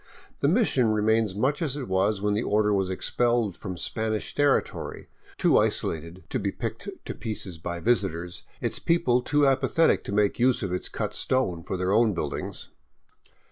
The mission remains much as it was when the order was expelled from Spanish territory, too isolated to be picked to pieces by visitors, its people too apathetic to make use of its cut stone for their own buildings.